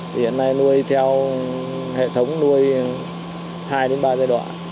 thì hiện nay nuôi theo hệ thống nuôi hai ba giai đoạn